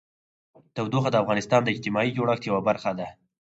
تودوخه د افغانستان د اجتماعي جوړښت یوه برخه ده.